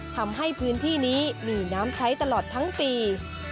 ทำให้พื้นที่นี้มีน้ำใช้ตลอดทั้งปี